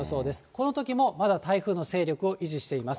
このときもまだ台風の勢力を維持しています。